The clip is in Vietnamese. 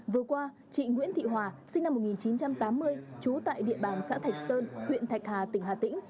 vừa qua chị nguyễn thị hòa sinh năm một nghìn chín trăm tám mươi trú tại địa bàn xã thạch sơn huyện thạch hà tỉnh hà tĩnh